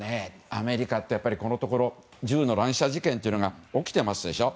アメリカってやっぱりこのところ銃の乱射事件というのが起きていますでしょ。